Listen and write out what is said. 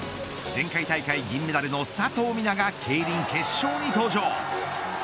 前回大会銀メダルの佐藤水菜がケイリン決勝に登場。